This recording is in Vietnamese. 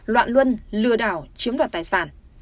loạn luân lừa đảo chiếm đoạt tài sản